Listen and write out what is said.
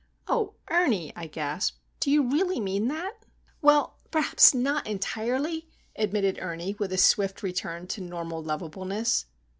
"Oh, Ernie!" I gasped. "Do you really mean that?" "Well, perhaps not entirely," admitted Ernie, with a swift return to normal lovableness.